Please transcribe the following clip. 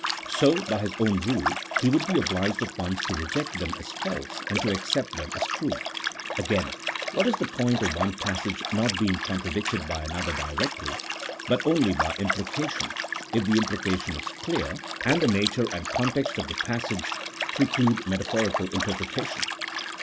So, by his own rule, he would be obliged at once to reject them as false, and to accept them as true. Again, what is the point of one passage, not being contra dicted by another directly, but only by implication, if the implication is clear, and the nature and context of the pas sage preclude metaphorical interpretation